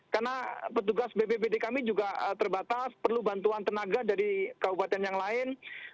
karena petugas bppd kami juga terbatas perlu bantuan tenaga dari kabupaten yang lain